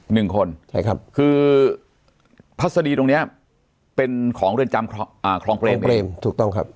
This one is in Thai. หนึ่งคนคือพัฒนีตรงนี้เป็นของเรือนจำครองเกรมเองถูกต้องครับ